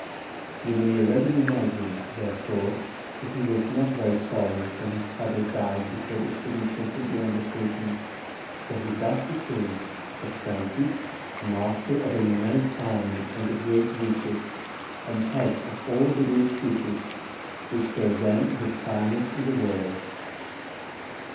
You may readily imagine, therefore, that he was not very sorry when his father died before the expedition could be undertaken; for he thus became, at twenty, master of an immense army and of great riches, and head of all the Greek cities, which were then the finest in the world.